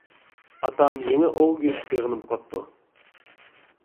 ئاتام يېڭى ئوۋ گۆشى سېغىنىپ قاپتۇ.